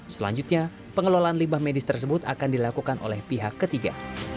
selanjutnya pengelolaan limbah medis tersebut akan dilakukan oleh pihak ketiga